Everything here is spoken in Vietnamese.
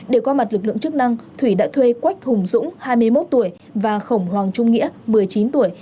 để qua mặt lực lượng chức năng thủy đã thuê quách hùng dũng hai mươi một tuổi và khổng hoàng trung nghĩa một mươi chín tuổi